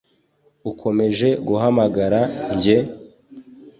ukomeje guhamagara 'njye